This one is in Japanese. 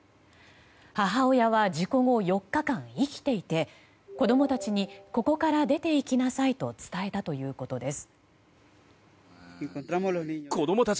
母親は事故後４日間生きていて子供たちにここから出ていきなさいと伝えたということです。